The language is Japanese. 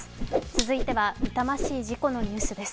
続いては痛ましい事故のニュースです。